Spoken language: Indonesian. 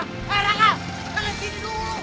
hei rangka kalian di situ